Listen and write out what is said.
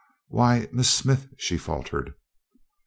"Why Miss Smith!" she faltered.